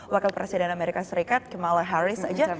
wakil presiden amerika serikat kamala harris aja